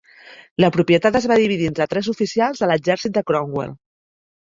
La propietat es va dividir entre tres oficials de l'exèrcit de Cromwell.